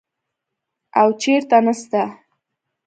او چېرته نسته.